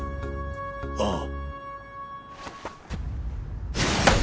ああ。